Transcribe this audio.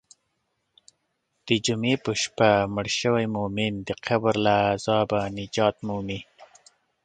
د جمعې په شپه مړ شوی مؤمن د قبر له عذابه نجات مومي.